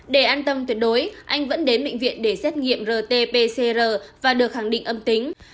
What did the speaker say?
để an tâm tuyệt đối anh vẫn đến bệnh viện để xét nghiệm rt pcr và được khẳng định âm tính